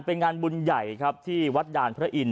เป็นงานบุญใหญ่ครับที่วัดด่านพระอินท